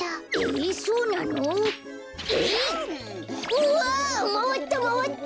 うわまわったまわった！